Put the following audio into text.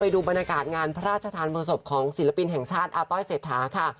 ดูบรรยากาศงานพระราชทานเพลิงศพของศิลปินแห่งชาติอาต้อยเศรษฐาค่ะ